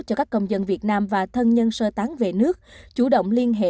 cho các công dân việt nam và thân nhân sơ tán về nước chủ động liên hệ